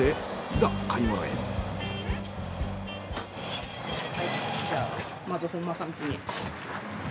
はいじゃあまずは本間さんちに。